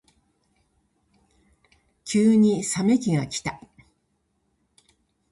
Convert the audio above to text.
急に冷め期がきた。